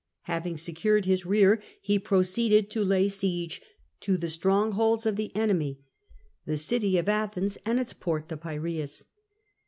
Having secured his rear, he proceeded to lay siege to the strongholds of the enemy, the city of Athens and its port the Piraeus.